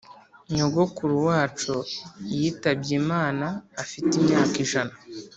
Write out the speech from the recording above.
Nyogokuru wacu yitabye Imana afite imyaka ijana